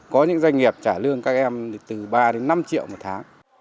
có những doanh nghiệp trả lương các em từ ba đến năm triệu một tháng